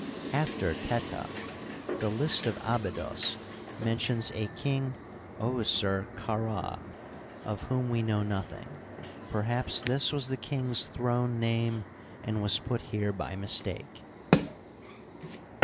After Teta, the list of Abydos mentions a King Ouserkard, of whom we know nothing ; perhaps this was the king's throne name, and was put here by mistake.